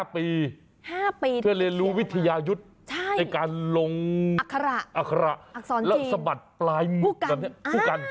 ๕ปีเพื่อเรียนรู้วิทยายุทธ์ในการลงอักษระและสะบัดปลายผู้กัน